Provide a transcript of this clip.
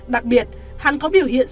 đặc biệt hắn có biểu hiện